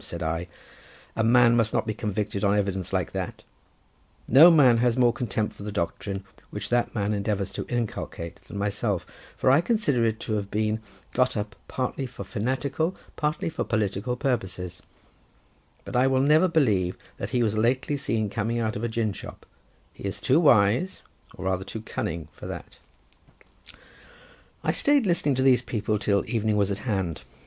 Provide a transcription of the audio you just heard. said I, "a man must not be convicted on evidence like that; no man has more contempt for the doctrine which that man endeavours to inculcate than myself, for I consider it to have been got up partly for fanatical, partly for political purposes; but I will never believe that he was lately seen coming out of a gin shop; he is too wise, or rather too cunning, for that." I stayed listening to these people till evening was at hand.